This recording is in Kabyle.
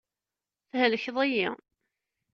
Thelkeḍ-iyi.